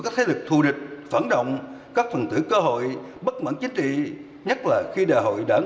các thế lực thù địch phản động các phần tử cơ hội bất mãn chính trị nhất là khi đại hội đảng